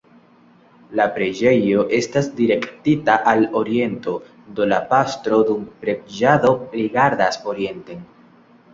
La preĝejo estas direktita al oriento, do la pastro dum preĝado rigardas orienten.